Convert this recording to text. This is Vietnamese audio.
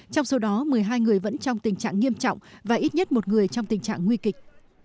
trong số đó một mươi hai người vẫn trong tình trạng nghiêm trọng và ít nhất một người trong tình trạng nguy kịch